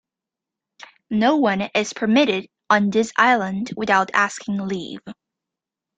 No one is permitted on this island without asking leave.